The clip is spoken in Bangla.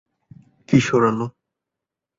কিশোর আলো